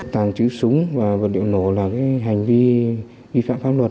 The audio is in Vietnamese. tàng trữ súng và vật liệu nổ là hành vi vi phạm pháp luật